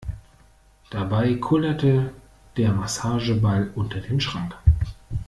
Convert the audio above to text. Dabei kullerte der Massageball unter den Schrank.